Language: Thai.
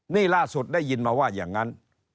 นี่ล่าสุดได้ยินมาว่าอย่างนั้น